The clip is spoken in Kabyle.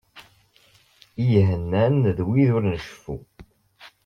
I ihennan d wid ur nceffu.